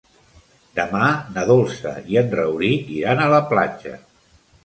Demà na Dolça i en Rauric iran a la platja.